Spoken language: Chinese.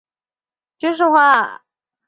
莫卧儿王朝的行政制度实行军事化。